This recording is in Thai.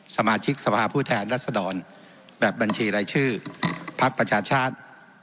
สมาชิกสภาพผู้แทนรัศดรแบบบัญชีรายชื่อพักประชาชาติ